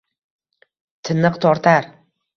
tiniq tortar